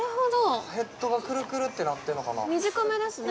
ヘッドがくるくるってなってんのかな短めですね